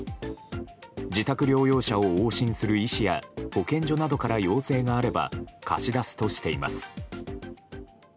自宅療養者を往診する医師や保健所などから要請があれば貸し出すとしています。